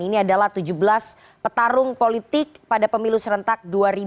ini adalah tujuh belas petarung politik pada pemilu serentak dua ribu dua puluh